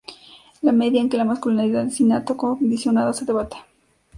La medida en que la masculinidad es innata o condicionada se debate.